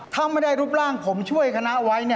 ถ้าไม่ได้รูปร่างผมช่วยคณะไว้